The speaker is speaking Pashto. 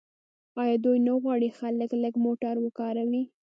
آیا دوی نه غواړي خلک لږ موټر وکاروي؟